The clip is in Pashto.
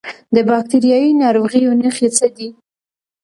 د باکتریایي ناروغیو نښې څه دي؟